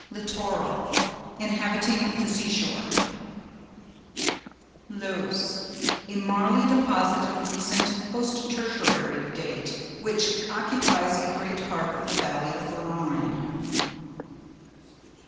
LITTORAL.—Inhabiting the seashore. LOESS.—A marly deposit of recent (Post Tertiary) date, which occupies a great part of the valley of the Rhine.